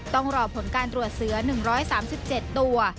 ต้องรอผลการตรวจเสือ๑๓๗ตัว